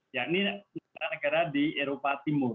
yakni negara negara di eropa timur